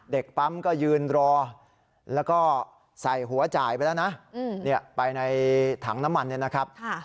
เด็กปั๊มก็ยืนรอแล้วก็ใส่หัวจ่ายไปแล้วนะไปในถังน้ำมันเนี่ยนะครับ